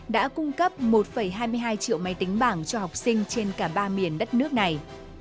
đã cung cấp một hai mươi hai triệu máy tính bảng cho học sinh trên cả ba miền đất nước này